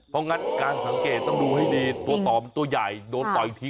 เพราะงั้นการสังเกตต้องดูให้ดีตัวต่อมันตัวใหญ่โดนต่ออีกที